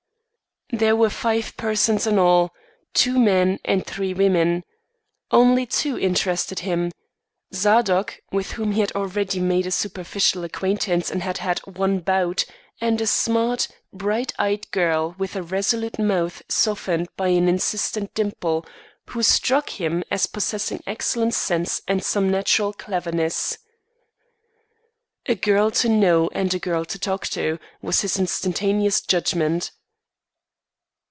There were five persons in all: two men and three women. Only two interested him Zadok, with whom he had already made a superficial acquaintance and had had one bout; and a smart, bright eyed girl with a resolute mouth softened by an insistent dimple, who struck him as possessing excellent sense and some natural cleverness. A girl to know and a girl to talk to, was his instantaneous judgment.